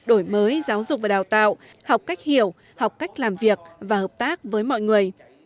đổi mới giáo dục và đào tạo học cách hiểu học cách làm việc và hợp tác với mọi người